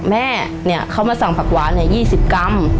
แม่เนี่ยเขามาสั่งผักหวานเนี่ย๒๐กรัม